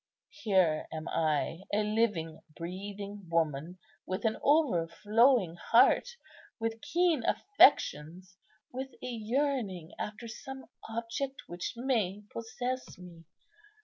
Here am I a living, breathing woman, with an over flowing heart, with keen affections, with a yearning after some object which may possess me.